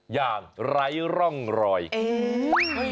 อย่างไร้ร่องรอย